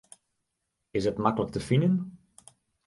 Is it maklik te finen?